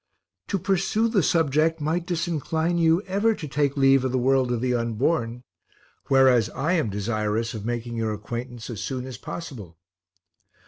To pursue the subject might disincline you ever to take leave of the world of the unborn, whereas I am desirous of making your acquaintance as soon as possible.